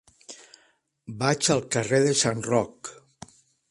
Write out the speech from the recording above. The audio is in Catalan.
Vaig al carrer de Sant Roc.